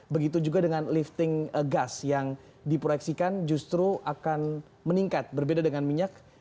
begitu juga dengan lifting gas yang diproyeksikan justru akan meningkat berbeda dengan minyak